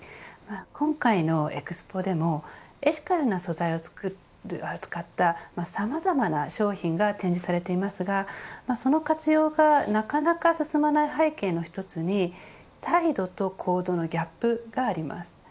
今回のＥＸＰＯでもエシカルな素材を使ったさまざまな商品が展示されていますがその活用がなかなか進まない背景の一つに態度と行動のギャップがあります。